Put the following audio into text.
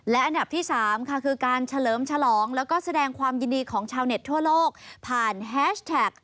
และอันดับที่๓ค่ะคือการเฉลิมฉลองแล้วก็แสดงความยินดีของชาวเน็ตทั่วโลกผ่านแฮชแท็ก